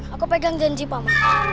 aku pegang janji paman